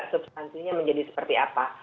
substansinya menjadi seperti apa